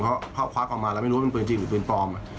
เพราะเขาควักออกมาแล้วไม่รู้ว่าเป็นปืนจริงหรือปืนปลอม